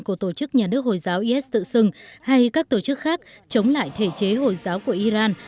của tổ chức nhà nước hồi giáo is tự xưng hay các tổ chức khác chống lại thể chế hồi giáo của iran